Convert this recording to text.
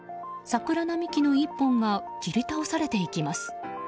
桜並木の１本が切り倒されていきます。